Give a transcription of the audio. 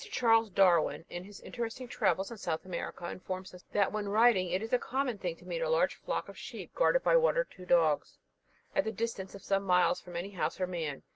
Charles Darwin, in his interesting travels in South America, informs us, that when riding it is a common thing to meet a large flock of sheep, guarded by one or two dogs, at the distance of some miles from any house or man.